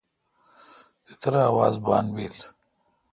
تترہ آواز بان بیل۔